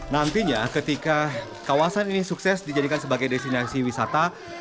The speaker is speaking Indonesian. nantinya ketika kawasan ini sukses dijadikan sebagai destinasi wisata